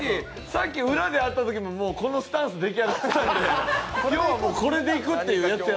さっき裏で会ったときもこのスタンス出来上がってたんで今日はもうこれでいくと。